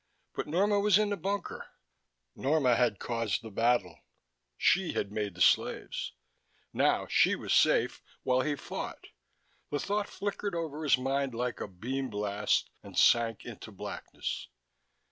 But Norma was in the bunker. Norma had caused the battle: she had made the slaves. Now she was safe while he fought. The thought flickered over his mind like a beam blast, and sank into blackness.